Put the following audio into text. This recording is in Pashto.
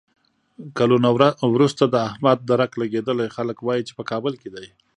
کلونه ورسته د احمد درک لګېدلی، خلک وایي چې په کابل کې دی.